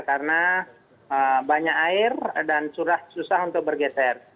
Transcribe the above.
karena banyak air dan susah untuk bergeser